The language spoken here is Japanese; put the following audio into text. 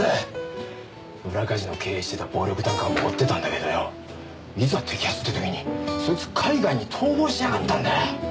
裏カジノを経営してた暴力団幹部を追ってたんだけどよいざ摘発って時にそいつ海外に逃亡しやがったんだよ。